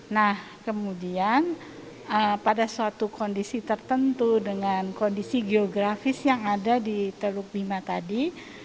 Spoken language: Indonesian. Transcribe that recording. nah kemudian pada suatu kondisi tertentu dengan kondisi geografis yang ada di teluk bima tadi